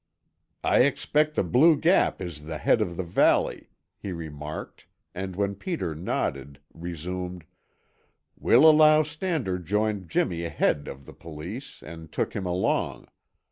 "I expect the blue gap is the head of the valley," he remarked and when Peter nodded resumed: "We'll allow Stannard joined Jimmy ahead of the police and took him along.